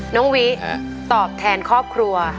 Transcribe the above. น้องวิตอบแทนครอบครัว